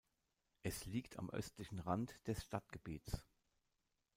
Es liegt am östlichen Rand des Stadtgebiets.